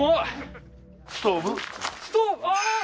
ストーブああー！